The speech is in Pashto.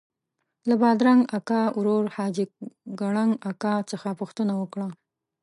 له بادرنګ اکا ورور حاجي کړنګ اکا څخه پوښتنه وکړه.